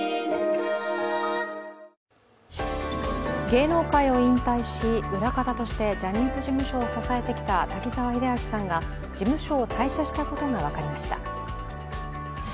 芸能界を引退し、裏方としてジャニーズ事務所を支えてきた滝沢秀明さんが事務所を退社したことが分かりました。